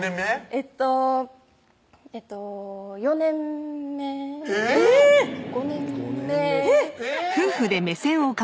えっとえっと４年目５年目えぇっ！